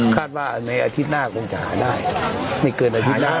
คาดว่าในอาทิตย์หน้าคงจะหาได้ไม่เกินอาทิตย์หน้า